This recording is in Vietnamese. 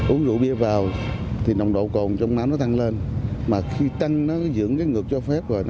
uống rượu bia vào thì nồng độ cồn trong máu nó tăng lên mà khi tăng nó dưỡng cái ngược cho phép rồi